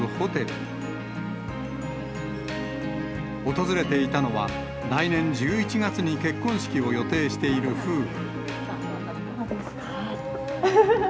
訪れていたのは、来年１１月に結婚式を予定している夫婦。